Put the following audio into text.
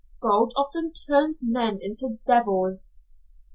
Gold often turns men into devils."